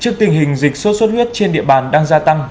trước tình hình dịch sốt xuất huyết trên địa bàn đang gia tăng